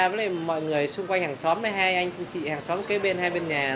với mọi người xung quanh hàng xóm với hai anh chị hàng xóm kế bên hai bên nhà